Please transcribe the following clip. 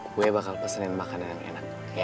gue bakal pesenin makanan yang enak